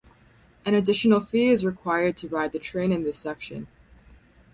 An additional fee is required to ride the train in this section.